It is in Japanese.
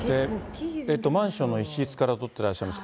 マンションの一室から撮っていらっしゃいます。